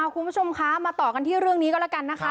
คุณผู้ชมคะมาต่อกันที่เรื่องนี้ก็แล้วกันนะคะ